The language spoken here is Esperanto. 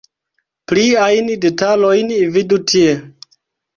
Pliajn detalojn vidu tie.